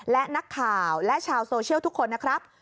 และนักข่าวและชาวโซเชียลทุกคนนะครับ